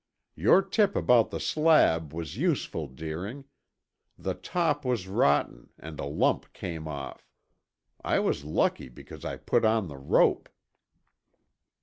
"Your tip about the slab was useful, Deering. The top was rotten and a lump came off. I was lucky because I put on the rope."